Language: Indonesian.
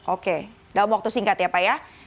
oke dalam waktu singkat ya pak ya